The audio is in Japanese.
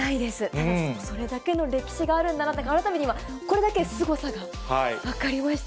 ただそれだけの歴史があるんだなって、改めて今、これだけですごさが分かりました